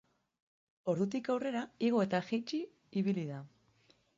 Ordutik aurrera igo eta jaitsi ibili da.